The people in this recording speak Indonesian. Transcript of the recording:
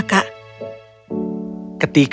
ketika mereka mendiskusikan masalah ini seorang pekerja muncul